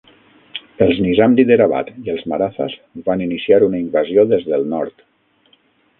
Els Nizam d'Hiderabad i els Marathas van iniciar una invasió des del nord.